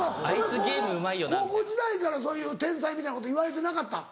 そうかお前高校時代からそういう天才みたいなこと言われてなかったん？